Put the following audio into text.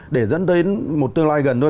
để dẫn đến một tương lai gần tôi